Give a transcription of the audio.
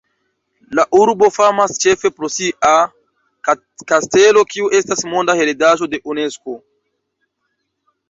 La urbo famas ĉefe pro sia kastelo, kiu estas monda heredaĵo de Unesko.